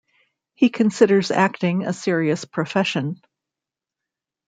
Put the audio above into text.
He considers acting a serious profession.